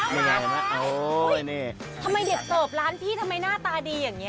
มาแล้วมาแล้วโอ้โฮนี่ทำไมเด็กเติบร้านพี่ทำไมหน้าตาดีอย่างนี้